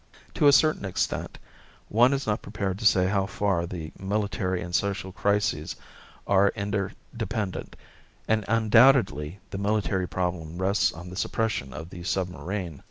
To a certain extent, one is not prepared to say how far, the military and social crises are interdependent. And undoubtedly the military problem rests on the suppression of the submarine.